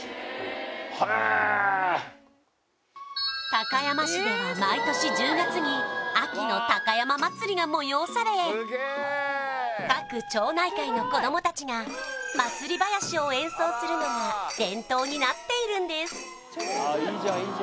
高山市では毎年１０月に秋の高山祭が催され各町内会の子どもたちが祭囃子を演奏するのが伝統になっているんです